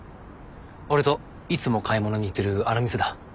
俺といつも買い物に行ってるあの店だ。